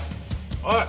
おい。